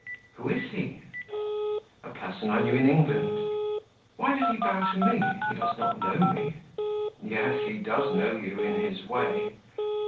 "Who is he?" "A person I knew in England." "Why did he bow to me? He does not know me." "Yes, he does know you, in his way."